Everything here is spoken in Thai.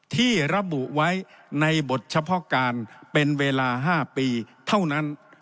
ที่ระบุไว้ในบทเฉพาะการเป็นเวลา๕ปีเท่านั้น